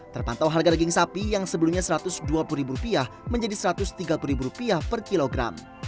terpantau harga daging sapi yang sebelumnya satu ratus dua puluh ribu rupiah menjadi satu ratus tiga puluh ribu rupiah per kilogram